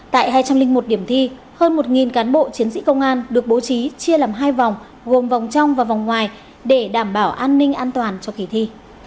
tại hai trăm linh một điểm thi hơn một cán bộ chiến sĩ công an được bố trí chia làm hai vòng gồm vòng trong và vòng ngoài để đảm bảo an ninh an toàn cho kỳ thi